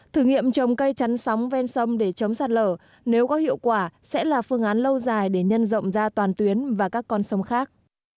thử nghiệm trồng cây chắn sóng ven sông để chấm sạt lở nếu có hiệu quả sẽ là phương án lâu dài để nhân rộng ra toàn tuyến và các con sông khác